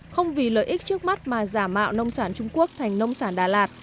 không vì lợi ích trước mắt mà giả mạo nông sản trung quốc thành nông sản đà lạt